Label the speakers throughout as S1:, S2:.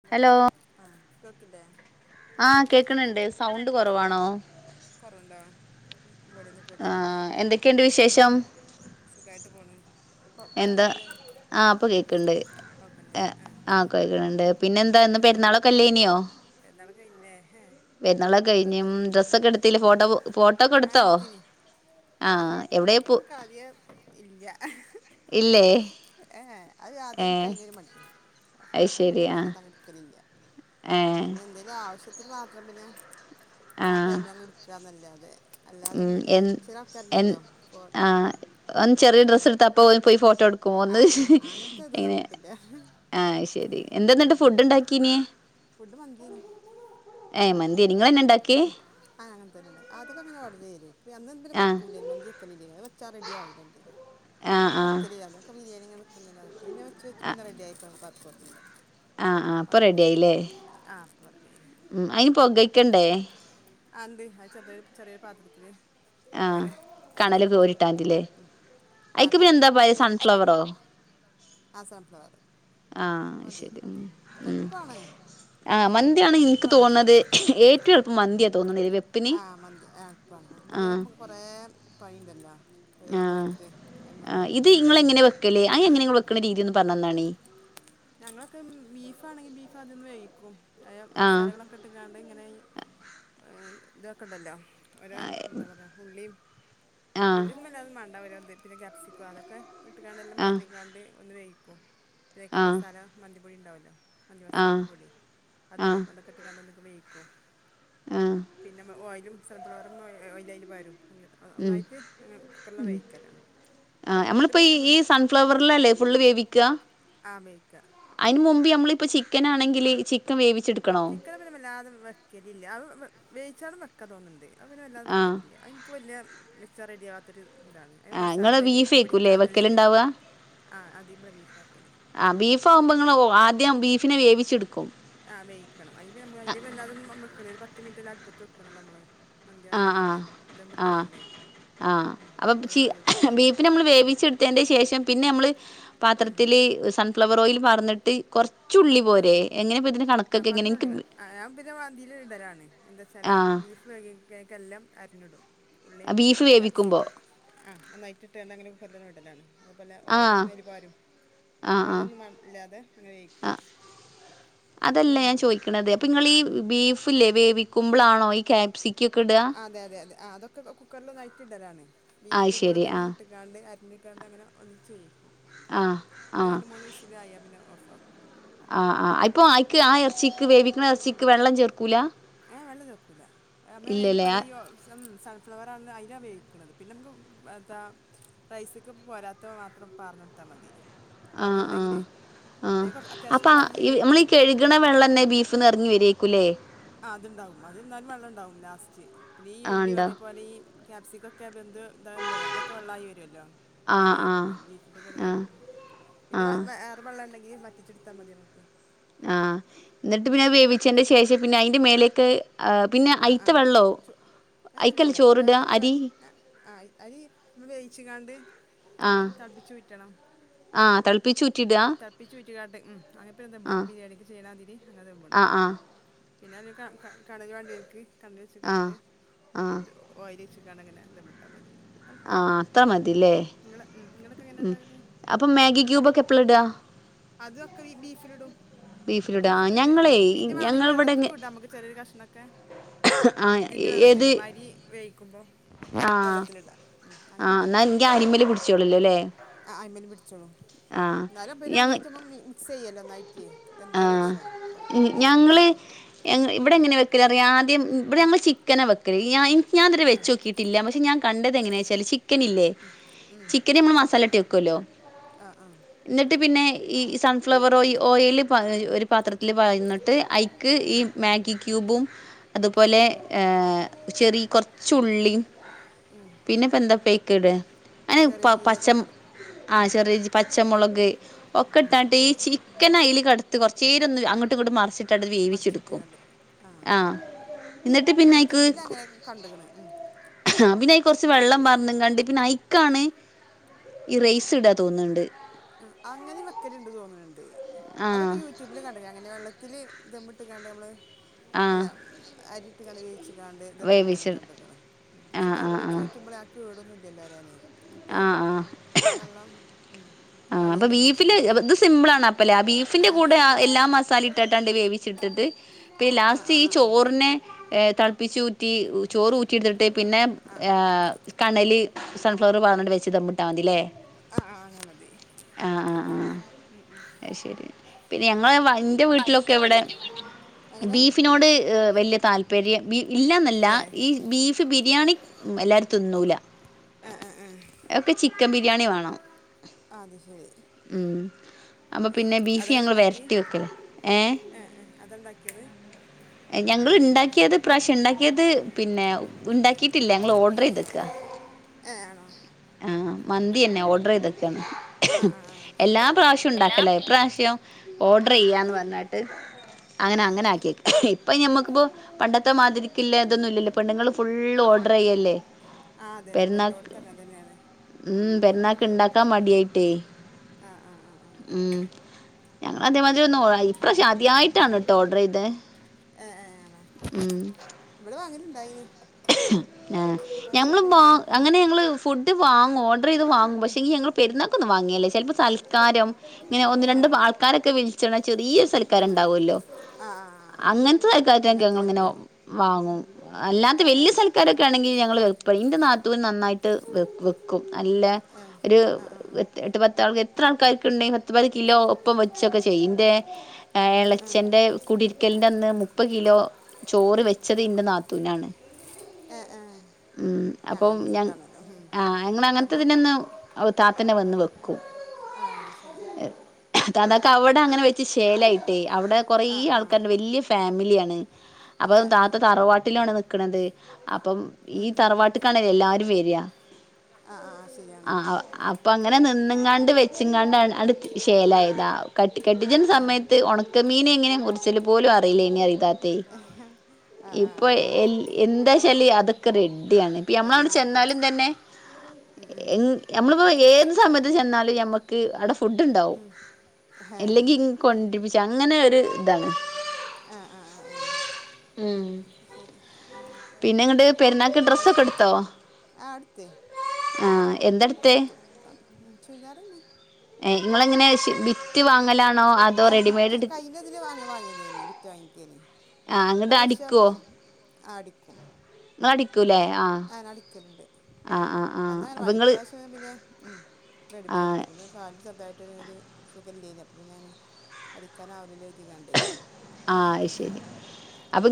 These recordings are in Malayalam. S1: ഹലോ ആഹ് കേക്കില്ലേ
S2: ആഹ് കേക്ക്‌ണണ്ട് സൗണ്ട്
S1: ആഹ്
S2: കൊറവാണോ?
S1: കൊറവുണ്ടോ? വോളിയൊന്ന്
S2: ആ
S1: കൂട്ടട്ടട്ടോ
S2: എന്തൊക്കെയുണ്ട് വിശേഷം
S1: സുഖായിട്ട് പോണ്. ഇപ്പ ഇപ്പ
S2: എന്താ
S1: എങ്ങനെണ്ട്
S2: ആഹ് ഇപ്പ കേക്ക്ണ്ട് ആഹ് കേക്ക്ണണ്ട്.
S1: ഉംഉം പെരുന്നാളൊക്കല്ലെയ്നോ? പെരുന്നാളൊക്കഴിഞ്ഞില്ലേ ഹെ.
S2: പെരുന്നാളൊക്കെ കഴിഞ്ഞ്
S1: ഇന്നത്തെ
S2: ഡ്രസ്സൊക്കെ എടുത്തില്ലേ
S1: ഉംഉം
S2: ഫോട്ടോ ഫോട്ടോ ഒക്കെ എടുത്തോ
S1: ആഹ് ഇട്ത്തീനി.
S2: ആ
S1: ഫോട്ട്
S2: എവിടെ
S1: പരിപാടി പിന്നെ
S2: പോ
S1: നമുക്ക് അധികം ഇല്ലിയ
S2: ഇല്ലേ
S1: ഏഹ് ഏഹ് അത് ആദ്യം കഴിക്കാനൊരു മടി.
S2: അയ് ശരി ആഹ്.
S1: ഞങ്ങടെയടുക്കയിൽ ഇല്ലിയ പിന്നെ എന്തേലും ആവശ്യത്തിന് മാത്രം പിന്നെ- ആ ടൈമിലങ് ഉടുക്കാന്നല്ലാതെ. അല്ലാതെ
S2: ഉം
S1: നമ്മളിങ്ങനെ
S2: എൻ
S1: ചെല
S2: എൻ
S1: ആൾക്കാരുണ്ടല്ലോ ഫോൺ
S2: ആ
S1: ഉം
S2: ഒന്ന് ചെറിയ ഡ്രസ്സ് എടുത്ത അപ്പോ പോയി ഫോട്ടോ എടുക്കും ഒന്ന്
S1: ആഹ് ആഹ് ആഹ് അങ്ങനത്തെ ഇത്
S2: ഇങ്ങനെ
S1: നമുക്കില്ല.
S2: ആഹ് ശരി എന്താ എന്നിട്ട് ഫുഡ് ഉണ്ടാക്കീനി
S1: ഫുഡ്ഡ് മന്തിയേനി
S2: ഏ മന്തി നിങ്ങളന്നെ ഉണ്ടാക്കി
S1: ആഹ് അങ്ങനെതന്നെ ഉള്ളെ അവിടുന്നാ ഞങ്ങള് ഓടറ് ചെയ്തത് പിന്നെ അന്ന് എന്തേലും
S2: ആഹ്
S1: വെക്കൂലേ മന്തി വെക്കലില്ലെയ്ന്. അത് വെച്ചാ റെഡി ആവൂല എന്റയ്ത് അപ്പോ
S2: ആഹ്
S1: പിന്നെ
S2: ആഹ്
S1: വക്കലില്ലല്ലോ. ഒക്കെ ബിരിയാണി അങ്ങനെ വെക്കും എന്നല്ലാതെ ഇപ്പോ പിന്നെ വെച്ച് വെച്ച് പിന്നെ റെഡിയായി കൊഴപ്പുന്നുല്ലാതെ.
S2: ആഹ് ആഹ് ഇപ്പൊ റെഡിയായില്ലേ
S1: ഇപ്പൊ റെഡിയായില്ലേ ആഹ് ഇപ്പൊ റെഡിയായി.
S2: ഉം അയിന് പൊകക്കണ്ടേ
S1: ആ ഉണ്ട് ആ ചെറുതായി ചെറിയൊരു പാത്രത്തില്
S2: ആഹ്
S1: ഇങ്ങനെ അത്
S2: കണല്
S1: വെക്കും
S2: കോരിട്ടാതില്ലേ
S1: ഉം
S2: അയിക്ക്
S1: ആക്കാൻ
S2: പിന്നെ എന്താ
S1: പറ്റു
S2: പാരാ
S1: ഇങ്ങള് ഇങ്ങള്
S2: സൺഫ്ലവറോ
S1: ആഹ് സൺഫ്ലവറ്
S2: ആഹ് ശരി ഉം ഉം
S1: എളുപ്പാണ്
S2: ആഹ്
S1: നമ്മള്
S2: മന്തിയാണ്
S1: നോക്കാണെങ്കി
S2: ഇൻക്ക്
S1: എളുപ്പാണ്
S2: തോണത് ഏറ്റു എളുപ്പം മന്തിയാ തോന്ന്ണ്ലേ വെപ്പിന്.
S1: ആഹ് മതി ആഹ്
S2: ആഹ്
S1: ബിരിയാണിയൊക്കെ - കൊറേ പണിയുണ്ടല്ലോ
S2: ആഹ്
S1: ഓരോന്നായിട്ട് നമുക്ക് ചെയ്യാൻ ഉള്ളത്
S2: ല്ലേ അത് എങ്ങനെയാ നിങ്ങള് വെയ്ക്കണ രീതി ഒന്ന് പറഞ്തന്നാണി
S1: ഞങ്ങളൊക്കെ ബീഫ് ആണെങ്കിൽ ബീഫ് അതൊന്ന് വേവിക്കും അതില്
S2: ആഹ്
S1: മസാലകളൊക്കെ- ക്കെട്ടങ്ങാണ്ട് ഇങ്ങനെ ഇതൊക്കണ്ടല്ലോ ഓരോ എന്താ പറയുക ഉള്ളിയും
S2: ആഹ്
S1: ഉള്ളിയൊന്നുംമല്ലാതും മേണ്ട ഓരോന്ന് പിന്നെ ക്യാപ്സിക്കോ അതൊക്കെ- വട്ടിക്കാണ്ടെല്ലാം
S2: ആഹ്
S1: അരിഞ്ഞിക്കാണ്ട് ഒന്ന് വേവിക്കും ബേക്കൽ
S2: ആഹ്
S1: മസാല മന്തി പൊടി ഉണ്ടാവുമല്ലോ മന്തി
S2: ആഹ്
S1: മസാലൻ്റെ പൊടി അത്
S2: ആഹ്
S1: ഇടും അതൊക്കെ- പിന്നെ അത് ഒന്ന് അങ്ങട് വേവിക്കും
S2: ആഹ്
S1: പിന്നെ ഓയിലും- സൺഫ്ലവർ ഓയില് അതില് വരും
S2: ഉം
S1: ഒന്നായിട്ട് കുക്കറില വേവിക്കലാണ്
S2: ആ
S1: എന്നിട്ട്
S2: നമ്മളിപ്പപ്പോ
S1: പിന്നെ
S2: ഈ
S1: നമ്മൾ
S2: ഈ സൺഫ്ലവറൽല്ലേ ഫുള് വേവിക്കുക
S1: ആ വേവിക്ക
S2: അതിന് മുമ്പ് നമ്മളിപ്പ ചിക്കൻ ആണെങ്കില് ചിക്കൻ വേവിച്ചെടുക്കണോ
S1: [unintelligible] വല്ലാതെ വെക്കലില്ല അത് വ് വേവിച്ചാലും വെക്കാ തോന്ന്ണ്ട് അപ്പ പിന്നെ വല്ലാതെ
S2: ആഹ്
S1: വെക്കലില്ല [unintelligible] ഇൻക്ക് വെല്ല്യെ വെച്ചാ റെഡ്യാവാത്തൊര് താണ്. അയ്മെ
S2: ആഹ്
S1: മസാല
S2: ഇങ്ങള്
S1: തരി പ്
S2: ബീഫേക്കൂല്ലേ
S1: പിടിക്കാത്തൊശേര്
S2: വെക്കലുണ്ടാവാ
S1: ആഹ് ആദ്യേ ബടെ ബീഫാക്കല്.
S2: ആഹ് ബീഫാവുമ്പോ നിങ്ങള് ഓഹ് ആദ്യം ബീഫിനെ വേവിച്ചെട്ക്കും.
S1: ആഹ് വേക്കണം അയ്‌മേ നമ്മളയ്‌ല് വല്ലാതൊന്നും അമ്മ വെക്കണേല് പത്ത് മിൻറ്റെല്ലാ ട്പ്പത്ത് വെക്ക്ണോള്ളൂ നമ്മളത്. മന്ത്യാണങ്കിൽ
S2: ആഹ് ആഹ്
S1: തന്നെ ദംമ്ട്ട്
S2: ആഹ്
S1: ക്കാണ്ടേ
S2: ആഹ് അപ്പൊ ചി ബീഫി നമ്മള് വേവിച്ച്ട്ത്തേൻ്റെ ശേഷം പിന്നമ്മള് പാത്രത്തില് സം ഫ്ലവർ ഓയില് പാർന്ന്ട്ട് കൊർച്ചുള്ളി
S1: ആ
S2: പോരെ എങ്ങനെ പ്പതിൻ്റെ കണക്കൊക്കെങ്ങനെ ഇൻക്ക്
S1: ആഹ് ഞാം പിന്നെ മാന്തില് ടലാണ് എന്താച്ചാല
S2: ആഹ്
S1: ബീഫ് കഴ്ക്കയ്ക്കെയ്ക്കെല്ലാം അര്ഞ്ഞിടും. പുള്ളിയും
S2: ബീഫ് വേവിക്കുമ്പോ
S1: കായാപ്സിക്കോം ആഹ് ഒന്നായിട്ട്ട്ടാണ്ട് അങ്ങനെ [unintelligible] ഇടലാണ് അതുപോലെ ഓയിലും
S2: ആഹ്
S1: അയല് പാരും
S2: ആഹ് ആഹ്
S1: വെള്ളൊന്നും മാ ഇല്ലാതെ അങ്ങനെ വേവിക്കും.
S2: ആഹ് അതല്ല
S1: വെള്ളൊന്നും
S2: ഞാൻ
S1: വേണ്ട
S2: ചോയ്ക്ക്ണത് അപ്പൊ
S1: ഉം
S2: ഇങ്ങളീ ബീഫ് ല്ലേ വേവിക്കുമ്പളാണോ ഈ ക്യാപ്സിക്കൊക്കെ ടാ.
S1: ആഹ് അതെ യതെ യതെ ആഹ് അതൊക്കെ ക കുക്കറിലൊന്നായിട്ട്ടലാണ്.
S2: ആഹ്
S1: ബീഫിൻ്റെ കൂടെ
S2: ശരി
S1: തന്നെ
S2: ആഹ്
S1: ഇട്ട് ക്കാണ്ട് അര്ഞ്ഞ്ക്കാണ്ടങ്ങനെ ഒന്നിച്ച് വേവിക്കും.
S2: ആഹ്
S1: [unintelligible]
S2: ആഹ്
S1: രണ്ട്, മൂന്ന് വിസ് ലായാ പിന്നെ ഓഫാക്കും.
S2: ആഹ് ആഹ് അയ്പ്പോ അയ്ക്ക് ആ എർച്ചിക്ക് വേവ്ക്ക്ണെർച്ചിക്ക് വെള്ളം ചേർക്കൂല.
S1: ഏഹ് വെള്ളം ചേർക്കൂല്ല അമ്മേ അയ്ന്
S2: ഇല്ലല്ലേ
S1: പകരം ഈ ഓ സം സ ഫ്ലവറാണ് അയ്‌ലാ വേയിക്ക്ണത് പിന്നമ്മക്ക് എത്താ റൈസ്ക്ക് പോരാത്ത മാത്രം പാർന്നൊട്ത്താ മതി.
S2: ആഹ് ആഹ്
S1: കൊറവ്ണ്ടെങ്കില് അയ്ന് കൊർ അത്യാവശ്യം പാരും ചെയ്യും അയ്ക്ക്.
S2: ക്ക്ണ വെള്ളെന്നെ ബീഫ് ന്നെറങ്ങി വേരേക്കൂല്ലേ.
S1: ആഹ് അത് ണ്ടാവും അത് ന്നാലും വെള്ളണ്ടാവും ലാസ്റ്റ് പിന്നെ ഈ
S2: ആഹ്
S1: ഉള്ളി
S2: ഉണ്ടോ
S1: അതേപോലെ ഈ ക്യാപ്സിക്കൊക്കെ വെന്ത് താവുമ്പഴേ അതൊക്കെ വെള്ളായി വെരൊല്ലോ. നല്ല
S2: ആഹ് ആഹ്
S1: വേകുമ്പം ബീഫിന്റെ കൂടെ
S2: ആഹ്
S1: വേവിക്കു പിന്നെ [unintelligible]
S2: ആഹ്
S1: [unintelligible] ള്ള ണ്ടെങ്കില് വറ്റിച്ച്ട്ത്താ മതി നമക്ക്.
S2: ആഹ് ന്നട്ട് പിന്നെ അത് വേവിച്ചേന്റെ ശേഷം പിന്നെ അതിന്റെ മേലേക്ക് പിന്നെ
S1: ആഹ്
S2: അയിത്ത
S1: ആഹ്
S2: വെള്ളോ
S1: ചോ ഏഹ്
S2: അയിക്കല്ലേ
S1: അല്ലല്ല
S2: ചോറിടുക
S1: വേറെമ്മള് വെ
S2: അരി
S1: [unintelligible] ആഹ് യ് അരി വേയിച്ച് കാണ്ട് ഉം
S2: ആഹ്
S1: തൾപ്പിച്ചൂറ്റണം.
S2: ആഹ് തിളപ്പിച്ചൂറ്റിടാ
S1: തൾപ്പിച്ചൂറ്റിക്കാട്ട് ഉം അങ്ങനെ പിന്നെ ദംമ്ട
S2: ആഹ്
S1: ബിരിയാണിക്ക് ചെയ്യ്ണാതിരി. അങ്ങനെ ദംമ്ടും
S2: ആഹ് ആഹ്
S1: പിന്നെ അതിലേക്ക ക്ക കണല് വാണ്ട്യോൽക്ക് കണല് വെച്ച്ക്കാണ്ട്
S2: ആഹ് ആഹ്
S1: ഓയലൊയ്ച്ച്ക്കാണ്ട് അങ്ങനെ ദംമ്ട്ടാ മതി.
S2: ആഹ്
S1: എള്പ്പാണ്
S2: അത്ര മതില്ലേ
S1: ഇങ്ങള് ഉം ഇങ്ങളൊക്കെങ്ങനെണ്ടാക്കല്?
S2: അപ്പൊ മാഗി ക്യൂബൊക്കെ എപ്പള ടാ?
S1: അതൊക്കെ ഈ ബീഫ് ല്ടും.
S2: ബീഫിലിടാ ആ
S1: ബീഫ് ബേ ഉം
S2: ഞങ്ങളേ
S1: പിന്നെ മാണെങ്കി
S2: ഞങ്ങളിവിടെങ്ങെ
S1: വെള്ളത്ത്ക്കുടാമ്മക്ക് ചെറീയൊരുകഷ്ണോക്കെ.
S2: ആഹ്
S1: ഇതിന്റെ
S2: ഏത്
S1: വെള്ളത്ത്ക്ക്‌ അമ്മരി വേയിക്കുമ്പോ
S2: ആഹ് ആഹ് ന്നാങ്കി അരിമ്മല് പുട്ച്ചോളോല്ലുലെ
S1: ആഹ് ആഹ് അയ്മ്മല് പിടിച്ചോളും ന്നാലും പിന്നെ
S2: ഞങ്ങ
S1: ഒന്നായിറ്റമ്മള് മി മിക്സെയ്യല്ലോന്നായിറ്റ്.
S2: ആഹ് ഇ ഞങ്ങള്
S1: കിട്ടും
S2: ഞങ് ഇവടെങ്ങനെ വെക്കലറ്യോ ആദ്യം ബടെ ഞമ്മള് ചി ക്കനാ വെക്കല് ഞാ ഇൻ ഞാതരെ
S1: ആ
S2: വെച്ചോക്കീട്ടില്ല പക്ഷെ ഞാകണ്ട തെങ്ങനെച്ചാല് ചിക്കനില്ലേ ചിക്കനമ്മൾ മസാലട്ട് വെക്കോല്ലോ?
S1: ആഹ് ആഹ്
S2: ന്നട്ട് പിന്നെ ഈ സൺഫ്ലവർ ഓയി ഓയല് എഹ് ഒര് പാത്രത്തില് പാർന്നിട്ട് അയ് ക്ക് ഈ
S1: ഉം
S2: മാഗിക്യൂബും അതുപോലെ
S1: ഉം
S2: ഏഹ് ചെറീ കൊർച്ചുള്ളീം
S1: ഉം
S2: പിന്നെപ്പന്താപ്പയ്ക്ക്‌ട അയ്ന്
S1: ചെറിയ
S2: പ പച്ച
S1: ജീരകൊക്കെ ഇടും
S2: ആ ചെറിയജി പച്ചമുളക് ഒക്കെ
S1: ഉം
S2: ഇട്ടാണ്ട് ഈ ചിക്കനയയ്ല് കേട്ത്തി കുറചേരോന്ന് അങ്ങോട്ടുങ്ങട്ടൊന്ന് മറിച്ച്ട്ടാണ്ട് ട്ടട്
S1: മറിച്ചിട്ട്
S2: വേവിച്ചെട്ക്കും
S1: കണ്ട് ആ
S2: ആഹ്, ഇന്നട്ട് പിന്നയ്ക്ക്‌
S1: യൂട്യൂബിൽ
S2: കു
S1: അങ്ങനെയൊക്കെ കണ്ടുക്കണ് ഉം
S2: ആഹ് പിന്നെയ്കോർച്ച് വെള്ളം പാർന്ന്കാണ്ട് പിന്നെ ഐക്കാണ് ഈ റൈസ്ടാ തോന്ന്ണ്ട്,
S1: അഹ് അങ്ങനിം വെക്കല്ണ്ട് തോന്ന്ണ്ണ്ട്
S2: ആ
S1: അതൊക്കെ യൂ ട്യൂബിൽകണ്ടക്കഅങ്ങനെ വെള്ളത്തിൽ ദമ്മ്ട്ട്കാണ്ട് അമ്മൾ
S2: ആ
S1: എല്ല മം അരിട്ട്കാണ്ട് വേവി ച്ച്ക്കാണ്ട് ദമ്മ്ട്ണദും
S2: വേവിച്ച്
S1: കണ്ട്ക്ക്‌ണ്
S2: ആ
S1: പക്ഷെ
S2: ആ
S1: തൾപ്പിചൂറ്റുമ്പളെ ആ കേടൊന്നുല്ലന്നറിംഞാനേ, മറ്റേ
S2: ആ ആ
S1: ആ വെള്ളം ഉം
S2: ആഹ്
S1: കളിയല്ലേ നമ്മൾ
S2: പ്പബീഫില്
S1: ചെയ്യണത്
S2: ഇത് സിമ്പളാണപ്പലെ ആ ബീഫിന്റെ
S1: ഇത്
S2: കൂടെ
S1: സിമ്പിളാണ്
S2: എല്ലാമസാലിട്ടട്ടാണ്ട് വേവിച്ചിട്ത്ത്ട്ട് ട്ട്
S1: ആ
S2: ലാസ്റ്റ്
S1: ആ
S2: ഈ
S1: ആ ആ
S2: ചോറിനെ ഏഹ് തൾപ്പിചൂറ്റി ചോറ് ഊറ്റിട്ത്ത്ട്ട് പിന്നെ
S1: ആ
S2: ഏഹ് കണല് സൺഫ്ലറ് പാർന്നണ്ട് വെച്ച് ദമ്മ്ട്ടാതിലെ,
S1: ആഹ് ആഹ് അങ്ങനദി
S2: ആഹ് ആഹ് ആഹ് അയ്ശരി പിന്നെ ഞങ്ങള് വ ന്റെ വീട്ടിലൊക്കെ വടെ
S1: അങ്ങനെ
S2: ബീഫിനോട് ഹ് വല്ല്യ താല്പര്യ ബി ഇല്ലന്നല്ല
S1: ഇല്ലേ
S2: ഈ ബീ ച്ച് ബിരിയാണി മം എല്ലാരുത്ത്ന്നൂല
S1: ആഹ് ആഹ് ആഹ്
S2: ഒക്കെ ചിക്കം ബിരിയാണി വേണം,
S1: അത് ശരി
S2: ഉം അപ്പൊ
S1: ആ
S2: പിന്നെ ബീഫ് ഞങ്ങൾ വെര്ട്ടി വെക്കല ഏഹ്
S1: ഏഹ് ഏഹ് അതണ്ടാക്കിയത്
S2: എ ഞങ്ങള്ണ്ടാക്കിയത് പ്രാശ്യം ണ്ടാക്കിയത് പിന്നെ ണ്ടാക്കിയിട്ടില്ലങ്ങള് ഓഡ്രയ്ത്ക്ക
S1: ഏഹ് അണോ?
S2: ആഹ് മന്തിന്നെ ഓഡ്രയ്ദ്ക്കാണ്
S1: ആഹ് ആഹ് ആഹ് അത് ശരി
S2: എല്ലാ
S1: എല്ലാ
S2: പ്രാവശ്യുണ്ടാക്കലാ ഇപ്രാവശ്യം ഓഡ്രയ്യാന്ന്
S1: ഏഹ്
S2: പറഞ്ഞ ണ്ട്
S1: ആഹ്
S2: അങ്ങന
S1: ആഹ് ആഹ്
S2: അങ്ങനാക്കിക്കാണ് ഇപ്പ ഞമ്മക്കിപ്പോ പണ്ടത്തെ മാതിരി ക്ക്‌ല്ലതൊന്നുല്ലല്ലോ പെണ്ണ്ങ്ങള് ഫുള്ള്
S1: ള് ഫുൾ
S2: ഓഡ്രയ്യല്ലേ പരുന്നാക്ക്‌
S1: അതന്നെണ്
S2: ഉം പെരുന്നാക്ക്‌ണ്ടാക്കാമടിയായിട്ടേ
S1: ആഹ് ആഹ് ആഹ് ശരിയാണ്
S2: ഞങ്ങളതേമാതിരി ഒന്നും ഒ ഇപ്രാവിശ്യ അദ്യയിട്ടാണ് ട്ടോ ഓഡ്രയ്തേ
S1: ഏഹ് ഏഹ് ആണോ?
S2: ഉം
S1: ഇവിടെവന്ന്ട്ട്ണ്ടായിനി
S2: ഹ് ആഹ് ഞങ്ങള്ബാ
S1: ഉം
S2: അങ്ങനെ ഞങ്ങള് ഫുഡ് വാങ്ങും ഒ ഡ്രത് വാങ്ങും പക്ഷെങ്കി ഞങ്ങൾ പെര്ന്നാക്കൊന്നും വാങ്ങേല്ല ചെൽപ്പ സൽക്കാരം ഇങ്ങനെ ഒന്ന് രണ്ട്
S1: ആഹ്
S2: ആൾക്കാരൊക്കെ വിളിച്ച്ണ ചെറീ സൽക്കാരൊക്കേണ്ടാവൊല്ലോ
S1: ആഹ് ആഹ്
S2: അങ്ങനത്തെ സൽക്കാരത്തിനൊക്കെ ഞങ്ങ ഇങ്ങനെ
S1: അങ്ങനത്തിലൊക്കെ
S2: വാങ്ങും അല്ലാത്ത
S1: ഏഹ്
S2: വല്യ സൽക്കാരക്കെ ആണെങ്കിൽ ഞങ്ങൾൻന്റെ ഇന്റെ നാത്തൂന് നായിട്ട് വെക്കും നല്ല
S1: ഏഹ് ഏഹ്
S2: ഒരു
S1: ആഹ് ആഹ്
S2: പത്ത് പത്താൾ എത്ര ആൾക്കാർക്ക് ഉണ്ടെങ്കിൽ പത്ത് പത് കിലോ ഒപ്പം വെച്ചൊക്കെ ചെയ്യും ന്റെ എഹ്
S1: ആഹ് ആഹ്
S2: എളച്ചൻ്റെ കുടിയിരിക്കൽൻ്റെ അന്ന് മുപ്പത് കിലോ ചോറ് വെച്ചത് ഇന്റെ നാത്തൂനാണ്.
S1: എഹ് ഏഹ്
S2: ഉം അപ്പം
S1: അങ്ങനാവുമ്പോ
S2: ഞങ്
S1: സുഖാണല്ലോ ഉം
S2: ആഹ് ഞങ്ങളെ
S1: നമ്മ
S2: അങ്ങൻത്തെതിൻ്റന്ന് താത്തന്നെ വന്ന്
S1: ആഹ്
S2: വെക്കും.
S1: ആഹ് അത് ശരി.
S2: താത്താക്ക് അവ്ടെ അങ്ങനെ വെച്ച് ഷേലായിട്ടേ അവ്ടെ കൊറേ
S1: ആഹ് ആഹ്
S2: ആൾക്കാര്ണ്ട്. വല്യ ഫാമിലിയാണ്. അപ്പം
S1: ഏഹ്
S2: താത്ത
S1: ഏഹ്
S2: തറവാട്ടിലാണ് നി ത്. അപ്പം ഈ
S1: ഉം ഉം ഉം
S2: തറവാട്ട്ക്കാണല്ലോ എല്ലാരും വര്വാ.
S1: ആഹ് ആഹ് ശരിയാണ്
S2: ആഹ് അപ്പങ്ങനെ നിന്നുംങ്ങാണ്ട് വെച്ചുംങ്ങാണ്ട് ആണ്ട് ശേലായതാ. കട്ടി കെട്ടിച്ച്ണ
S1: ഏഹ്
S2: സമയത്ത് ഒണക്കമീനെങ്ങനെ മുറിച്ചല് പോലും അറിയില്ലേനി പറിം താ ത്തെ.
S1: ആഹ് ആഹ്
S2: ഇപ്പൊ
S1: ആഹ്
S2: എൽ എന്താച്ചല് അതൊ ക്കെ റെഡ്ഡ്യാണ്. ഇപ്പ നമ്മളവിടെ
S1: എല്ലാം ഉം
S2: ചെന്നാലും തന്നെ
S1: ഉം ഉം
S2: എൻ ഞമ്മളിപ്പോ ഏത് സമയത്ത് ചെന്നാലും ഞമ്മക്ക് അവ്ടെ ഫുഡ്ണ്ടാവും.
S1: ഉം ഹേ
S2: ഇല്ലെങ്കി കൊണ്ട്രിപ്പിച്ച അങ്ങനെ ഒര് ഇതാണ്.
S1: ആഹ് ആഹ് ആഹ് ആഹ്
S2: ഉം
S1: ശരി ഉം.
S2: പെരുന്നാക്ക്
S1: പിന്നെന്ത്
S2: ഡ്രസ്സൊക്കെ
S1: പെരുന്നാക്ക്
S2: എടുത്തോ
S1: ഡ്രസൊക്കെട്ത്തോ? ആഹ് ഇട്ത്തേ.
S2: ആഹ് എന്ത
S1: തൊക്കെട്ത്തു. എന്ത ഇട്ത്തെ? ചുര്ദാറന്നെ.
S2: ഏഹ് ഇങ്ങളെങ്ങനെ ശി ബി
S1: റ്റ് വാങ്ങലാണോ, അല്ല ബിറ്റ് കയ്ഞ്ഞെതിൽ വാങ്ങ വാങ്ങിയതേനി ബിറ്റ് വാങ്ങ്യക്കേനി.
S2: ആഹ് അങ്ങട്ട്
S1: ഇപ്രാവശ്യം
S2: അടിക്കുവോ
S1: ഉം ആഹ് അടിക്കും.
S2: ഇങ്ങളടിക്കുലേ? ആഹ്.
S1: നടിക്കല്ണ്ട്.
S2: ആഹ് ആഹ് ആഹ്
S1: അന്നങ്ങനെ
S2: അപ്പൊ
S1: വാങ്ങി.
S2: നിങ്ങള്
S1: ഇപ്രാവശ്യം പിന്നെ ഉം റെഡിമെയ്ഡ്
S2: ആഹ്
S1: ഇട്ത്ത്. കാലിന് ചെറ്തായിട്ടൊര് ര് സുഖല്ലേനി. അപ്പ പിന്നെ ഞാന് അടിക്കാനാവൂല്ലല്ലോ കര്തിക്കാണ്ടേ.
S2: ആഹ് അഹ്ശരി.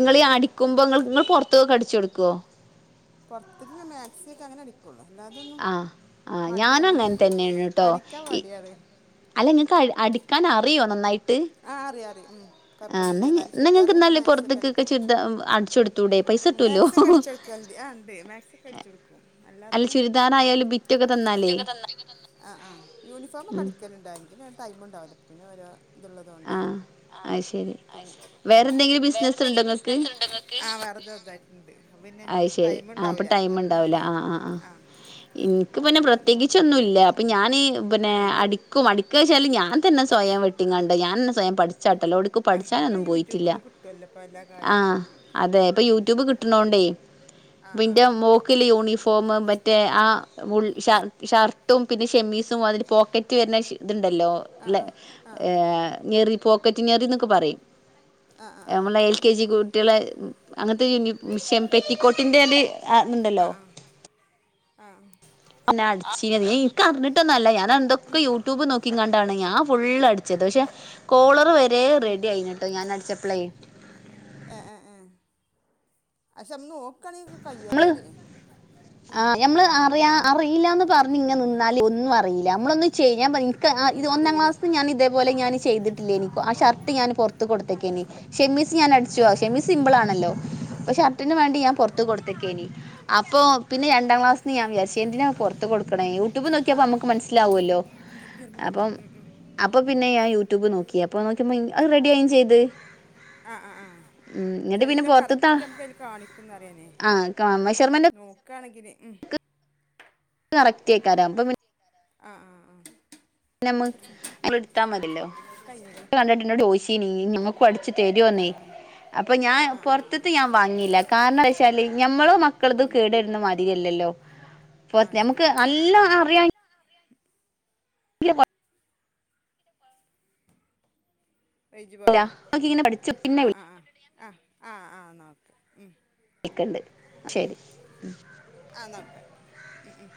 S1: എന്താ ബിറ്റ്
S2: അടിക്കുമ്പോ ഇങ്ങള് ങ്ങള് പൊർത്ത്ക്കൊക്കെ അടിച്ചൊട്ക്കോ?
S1: പൊർത്ത്ക്ക് ങ്ങെ മാക്സ്യൊക്കെ അങ്ങനടി
S2: ആഹ് ആഹ്. ഞാനു അങ്ങൻ തന്നേണ് ട്ടോ.
S1: അടിക്കാൻ
S2: ഇ
S1: മടിയാണ്
S2: അല്ല ഇങ്ങക്ക് അ അടിക്കാൻ അറിയോ നന്നായിട്ട്?
S1: ആഹ് അറിയാ അറിം ഉം.
S2: ആഹ്
S1: കൊഴപ്പൊന്നില്ല.
S2: ന്നാ
S1: ഇന്നാലും
S2: ന്നാ
S1: ചുരിദാർ
S2: ഇങ്ങക്ക്
S1: അടിക്കും
S2: ന്നാല്
S1: മാക്സി ഒക്കെ
S2: പൊറത്ത്ക്കൊക്കെ
S1: അടിക്കും.
S2: ചുരിദാ അടിച്ചു കൊടുത്തൂടെ പൈസ കിട്ടോല്ലോ
S1: മാക്സി ഒക്കെ അടിച്ചൊട്ക്കല്ണ്ട്. ആഹ് ഇണ്ട്. മാക്സ്യൊക്കെ അടിച്ചൊടുക്കും.
S2: അല്ല
S1: അല്ലാത്തെ
S2: ചുരിദാറായാലും ബിറ്റൊക്കെ
S1: ചുൽദാറായാലും
S2: തന്നാലേ
S1: ബിറ്റൊക്കെ തന്നാ. ആഹ് ആഹ് യൂണിഫോമൊക്കെ അടിക്ക ല്ണ്ട്. [unintelligible] ടൈമുണ്ടാവുല്ല പിന്നോരോ ഇത്ള്ളതോണ്ടേ.
S2: ആഹ്
S1: ആഹ്.
S2: അത്
S1: ഉം.
S2: ശരി
S1: അയ്ശരി.
S2: വേറെ എന്തെങ്കിലും ബിസിനസ് ഉണ്ടോ
S1: വേറെന്തെങ്കിലും
S2: ഇങ്ങക്ക്
S1: ബിസിനസ് ണ്ടോ ങ്ങ ക്ക്? ആഹ് വേറെ ത് ചെറുതായിട്ട്ണ്ട്. അപ്പപ്പിന്നെ
S2: അത് ശരി ആഹ് അപ്പൊ
S1: ടൈമ്ണ്ടാവൂല്ല.
S2: ടൈം
S1: ഇന്ന് പ്പം
S2: ഉണ്ടാവൂല
S1: ഞാനേ,
S2: ആഹ്
S1: ആഹ്.
S2: ഇൻക്ക് പിന്നെ പ്രത്യേകിച്ചൊന്നുല്ല അപ്പൊ ഞാൻ പിന്നെ
S1: ആ
S2: അടി ക്കും. അടിക്ക്ണെച്ചാല് ഞാൻ തന്നെ സ്വയം വെട്ടിങ്ങാണ്ട് ഞാനന്നെ സ്വയം പഠി ച്ചാ വെട്ടല്. എവ്ട്ക്കും
S1: ആ ഇപ്പ
S2: പഠിച്ചാനൊന്നും പോയിട്ടില്ല.
S1: യൂട്യൂബ്ന്ന് കിട്ടുവല്ലോ ഇപ്പ എല്ലാ
S2: ആഹ്
S1: കാര്യങ്ങളും
S2: അതെ ഇപ്പ
S1: ഉം
S2: യൂട്യൂബ് കിട്ട്ണോണ്ടേ.
S1: ആ ആ
S2: ഇപ്പന്റെ മോക്ക് ല്ലെ യൂണിഫോമ് മറ്റേ ആ ബുൾ ഷർ ഷർട്ടും പിന്നെ ഷെമ്മീസും അതിന് പോക്കറ്റ് വര്നെ ശി ഇതുണ്ടല്ലോ.
S1: ആ
S2: ല്ലെ
S1: ആ ആ
S2: ഞെറി പോ ക്കറ്റ് ഞെറിന്നൊക്കെ പറിം.
S1: ആ ആ
S2: ഞമ്മളെ എൽ കെ ജി കു ട്ട്യേളെ അങ്ങനത്തെ യ് ന്യു ഷെം പെറ്റിക്കോട്ടിന്റെ ഒര് ആ ദ് ണ്ടല്ലോ.
S1: ആഹ്.
S2: ന്നെ അടിച്ചീനനി എനിക്ക് അറിഞ്ഞിട്ടൊന്നല്ല ഞാന എന്തൊക്കെ യൂ ട്യൂബ് നോക്കിക്കണ്ട് ആണ് ഞാൻ ഫുൾ അടിച്ചത് പക്ഷെ കോളറ് വ ച്ചതേ റെഡി ആയിന്നുട്ടോ ഞാൻ അടിച്ചപ്പളേ
S1: ആഹ് ആഹ് ആഹ് പക്ഷെ നമ്മ നോക്കണെയൊക്കെ കയ്യോത് പറയും ഇങ്ങട്ട്
S2: നമ്മള് അറിയാ അറിയില്ലാന്ന് പറഞ്ഞ് ഇങ്ങനെ നിന്നാലെ ഒന്നും അറിയില്ല നമ്മളൊന്ന് ചെയ്യാൻ പ
S1: ഉം
S2: ഇത് ഒന്നാം
S1: അറിയില്ലേ
S2: ക്ളാസിലും ഞാന് ഇതേപോലെ ഞാന് ചെയ്തിട്ടില്ലേനി ആ ഷർട്ട് ഞാന് പുറ ത്ത്‌ കൊടുത്തേക്കേനി ഷെമീസ് ഞാനടിച്ചു
S1: ഏ ഏ ഏ
S2: ഷമീ സിമ്പിൾ
S1: ശരി
S2: ആണല്ലോ ഷർട്ടിന് വേണ്ടി
S1: ആ
S2: ഞാൻ പൊറ
S1: ആ
S2: ത്ത് കൊടുത്തക്കേനി അ പ്പോ പിന്നെ രണ്ടാം ക്ലാസിന്നു ഞാൻ വിചാരിച്ചു എന്തിനാ പുറത്ത് കൊടുക്കണെ യൂട്യൂബ് നോക്കിയാ
S1: ആ ആ
S2: ഇപ്പോ നമുക്ക് മനസ്സിലാവൂലോ
S1: മിണ്ടല്ലേ മിണ്ടല്ലേ ഉം ഉം
S2: അപ്പൊ പിന്നെ ഞാൻ യൂട്യൂബ് നോക്കി അപ്പൊ നോക്കിയപ്പോ അത് റെഡിയാവും ചെയ്ത്
S1: ആഹ് അ ആ
S2: ഉം എന്നിട്ട് പിന്നെ
S1: എല്ലാം
S2: പൊറത്ത്ത്തെ
S1: കറക്റ്റ് നമുക്ക് അതിൽ കാണിക്കൂന്ന് പറയാണേ
S2: ആഹ് കാ മെഷർമെന്റ്
S1: നോക്കാണെങ്കില് ഉം
S2: കറക്ട് ആക്കാരം അപ്പൊ പി
S1: ആഹ് ആഹ് ആഹ്
S2: നമ്മ എടുത്താ മതില്ലോ
S1: കഴിഞ്ഞില്ലേ
S2: ഇത് കണ്ടിട്ട് എന്നോട് ചോയ്ച്ചീനി നമ്മക്കും അടിച്ച്
S1: ആ
S2: തരുവോന്ന് അപ്പൊ ഞാൻ
S1: ആ ആ ആ
S2: പുറത്തത്തെ
S1: ആ
S2: ഞാൻ വാങ്ങിയില്ല കാരണം എന്താ വെച്ചാല് ഞമ്മളെ മക്കളത് കേട് വരണ മാതിരി ശരിയല്ലല്ലോ
S1: ആ
S2: ഞമ്മക്ക്
S1: ശരിയാണ്
S2: നല്ലോം അറിയാ ഇല്ല വ
S1: റേഞ്ച്
S2: കൊഴപ്പല്ല
S1: പോയോ
S2: ഇങ്ങനെ പഠിച്ചു പിന്നെ
S1: ആ ആ ആ ആ ആ ആ എന്നാ ഓക്കെ
S2: വിളിക്കണ്ട് എന്നാ ശെരി ഉം
S1: ആഹ് എന്നാ ഓക്കേ ഉം ഉം